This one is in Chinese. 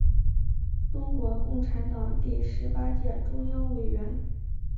中国共产党第十八届中央委员。